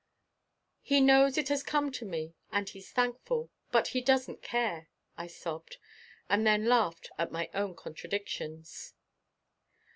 "He knows it has come to me, and he's thankful but he doesn't care," I sobbed and then laughed at my own contradictions.